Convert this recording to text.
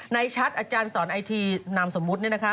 ชัดอาจารย์สอนไอทีนามสมมุติเนี่ยนะคะ